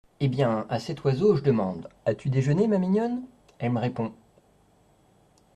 Eh bien, à cet oiseau, J’ demande : "As-tu déjeuné, ma mignonne ?" Ell’ me répond…